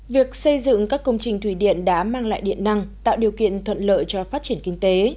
việc xây dựng các công trình thủy điện đã mang lại điện năng tạo điều kiện thuận lợi cho phát triển kinh tế